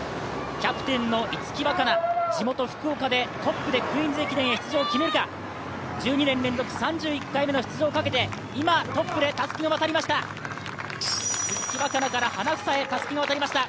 キャプテンの逸木和香菜、地元・福岡でトップでクイーンズ駅伝へ出場を決めるか１２年連続の出場をかけて、今トップでたすきが渡りました。